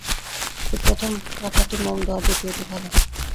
এই প্রথম কাঁটাটি মন্দ, আর দ্বিতীয়টি ভাল।